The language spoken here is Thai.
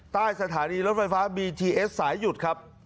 ใต้สถานีรถไฟฟ้าบีทีเอสสายหยุดครับ